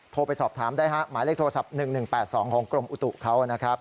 ไปสอบถามได้ฮะหมายเลขโทรศัพท์๑๑๘๒ของกรมอุตุเขานะครับ